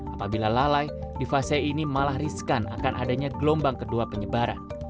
apabila lalai di fase ini malah riskan akan adanya gelombang kedua penyebaran